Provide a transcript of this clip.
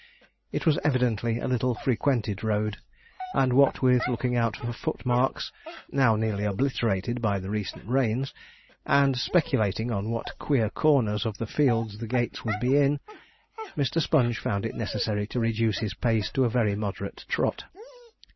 It was evidently a little frequented road; and what with looking out for footmarks (now nearly obliterated by the recent rains) and speculating on what queer corners of the fields the gates would be in, Mr. Sponge found it necessary to reduce his pace to a very moderate trot.